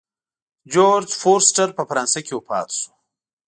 جورج فورسټر په فرانسه کې وفات شو.